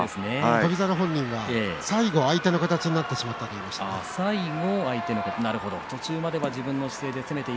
翔猿本人は最後相手の形になってしまいましたと、最後。